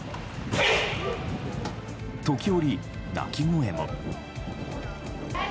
時折、鳴き声も。